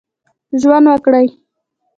ژوند وکړي.